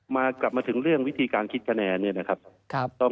มากลับมาถึงเรื่องวิธีการคิดคะแนน